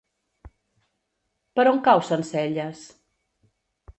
Per on cau Sencelles?